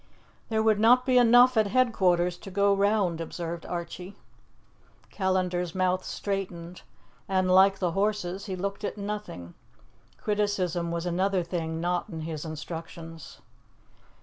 "There would not be enough at headquarters to go round," observed Archie. Callandar's mouth straightened, and, like the horses, he looked at nothing. Criticism was another thing not in his instructions.